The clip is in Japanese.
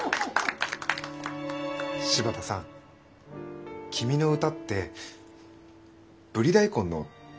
柴田さん君の歌ってブリ大根の大根みたいですね。